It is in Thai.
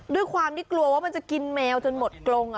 ด้วยความที่กลัวว่ามันจะกินแมวจนหมดกรง